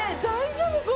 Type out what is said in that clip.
大丈夫？